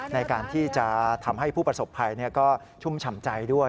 ในการที่จะทำให้ผู้ประสบภัยก็ชุ่มฉ่ำใจด้วย